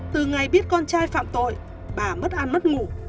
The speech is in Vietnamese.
từ ngày biết con trai phạm tội bà mất ăn mất ngủ